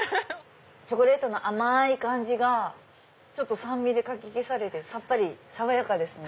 チョコレートの甘い感じが酸味でかき消されてさっぱり爽やかですね。